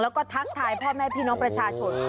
แล้วก็ทักทายพ่อแม่พี่น้องประชาชน